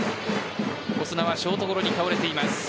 オスナはショートゴロに倒れています。